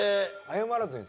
謝らずに。